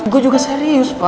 gue juga serius pak